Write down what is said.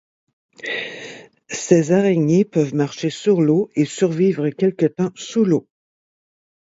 Ces araignées peuvent marcher sur l'eau et survivre quelque temps sous l'eau.